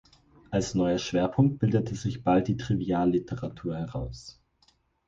Als neuer Schwerpunkt bildete sich bald die Trivialliteratur heraus.